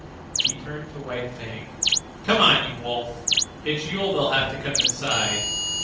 He turned to White Fang. "Come on, you wolf. It's you that'll have to come inside."